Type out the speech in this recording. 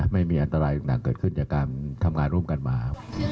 ไม่มีอันตรายต่างเกิดขึ้นจากการทำงานร่วมกันมา